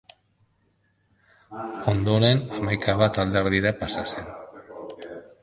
Ondoren Hamaikabat alderdira pasa zen.